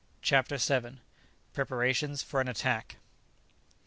CHAPTER VII. PREPARATIONS FOR AN ATTACK.